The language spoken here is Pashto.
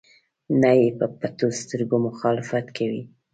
نه یې په پټو سترګو مخالفت کوي.